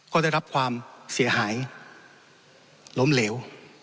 ก็ได้รับความเสียหายล้มเหลว